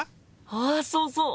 あそうそう！